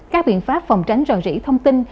các biện pháp phòng tránh rò rỉ thông tin